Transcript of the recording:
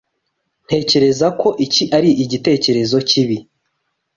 Ntekereza ko iki ari igitekerezo kibi.